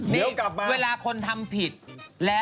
เดี๋ยวกลับมา